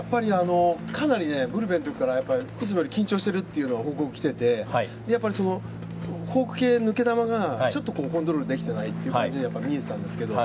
かなり、ブルペンの時からいつもより緊張していると報告が来ていてやっぱり、フォーク系、抜け球がちょっとコントロールできてない感じには見えたんですけど。